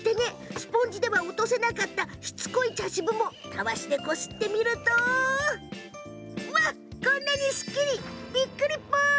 スポンジでは落とせなかったしつこい茶渋もたわしでこすってみるとこんなにすっきり！